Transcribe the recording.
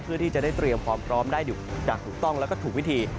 เพื่อที่จะได้เตรียมพร้อมได้อยู่ถูกต้องและถูกวิธี